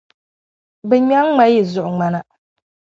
bɛ ŋme n-ŋma yi zuɣuŋmana.